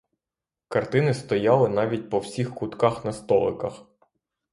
Картини стояли навіть по всіх кутках на столиках.